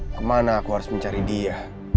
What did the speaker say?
kemana aku harus mencari dia